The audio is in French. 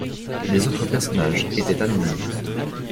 Les autres personnages étaient anonymes.